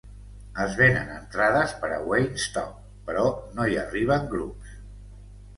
Es venen entrades per a Waynestock però no hi arriben grups.